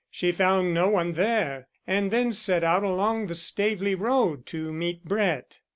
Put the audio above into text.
She found no one there and then set out along the Staveley road to meet Brett.